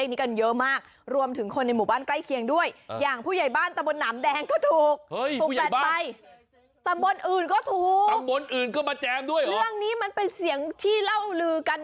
ตำบลอื่นก็บะแจมด้วยหรอเรื่องนี้มันเป็นเสียงที่เล่าลือกัน